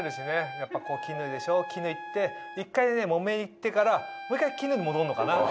やっぱ絹でしょ絹行って一回木綿行ってからもう一回絹に戻るのかな。